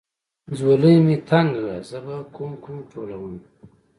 ځولۍ مې تنګه زه به کوم کوم ټولومه.